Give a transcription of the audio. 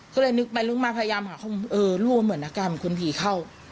ก็เลยนึกไปลุงมาพยายามหาคุณเออร่วมเหมือนอาการเหมือนคุณผีเข้า